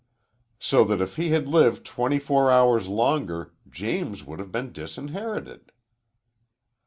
"So that if he had lived twenty four hours longer James would have been disinherited."